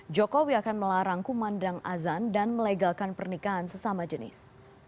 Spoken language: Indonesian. jokowi akan melarang kumandang azan dan melegalkan pernikahan sesama jenis